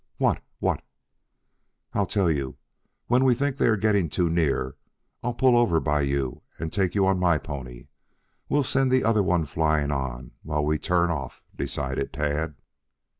"What what" "I'll tell you. When we think they are getting too near, I'll pull over by you and take you on my pony. We'll send the other one flying on while we turn off," decided Tad.